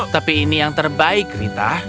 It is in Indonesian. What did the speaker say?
tapi ini yang terbaik rita